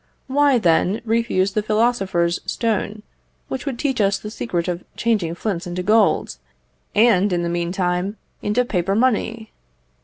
Why, then, refuse the philosopher's stone, which would teach us the secret of changing flints into gold, and, in the meantime, into paper money?